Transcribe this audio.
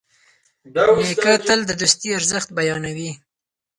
نیکه تل د دوستي ارزښت بیانوي.